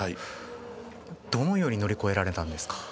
どのように乗り越えられたんですか。